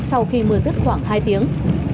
sau khi mưa dứt khoảng hai tiếng